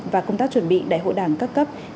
và công tác chuẩn bị đại hội đảng các thông tin